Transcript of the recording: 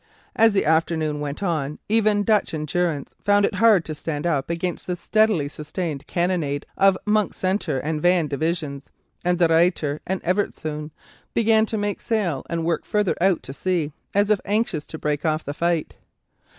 As the afternoon went on even Dutch endurance found it hard to stand up against the steadily sustained cannonade of Monk's centre and van divisions, and De Ruyter and Evertszoon began to make sail and work further out to sea, as if anxious to break off the fight.